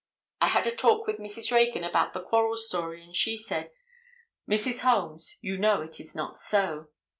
I had a talk with Mrs. Reagan about the quarrel story, and she said, 'Mrs. Holmes, you know it is not so.